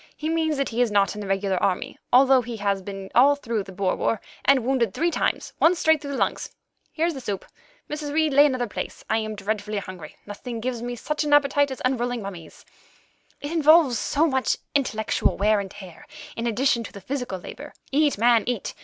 He means that he is not in the regular army, although he has been all through the Boer War, and wounded three times, once straight through the lungs. Here's the soup. Mrs. Reid, lay another place. I am dreadfully hungry; nothing gives me such an appetite as unrolling mummies; it involves so much intellectual wear and tear, in addition to the physical labour. Eat, man, eat.